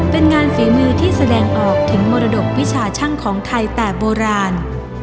เป็นงานฝีมือที่แสดงออกถึงมรดกวิชาช่างของไทยแต่โบราณ